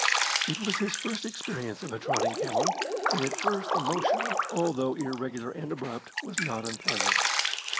It was his first experience of a trotting camel, and at first the motion, although irregular and abrupt, was not unpleasant.